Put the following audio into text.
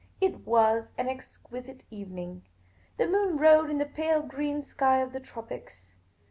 It was an exquisite evening. The moon rode in the pale green sky of the tropics.